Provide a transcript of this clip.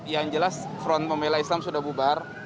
yang jelas front pembela islam sudah bubar